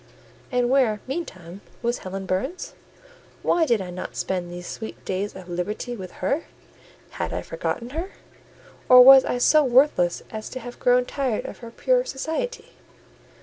And where, meantime, was Helen Burns? Why did I not spend these sweet days of liberty with her? Had I forgotten her? or was I so worthless as to have grown tired of her pure society?